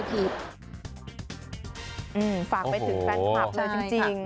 ฝากไปถึงแฟนคลับเลยจริง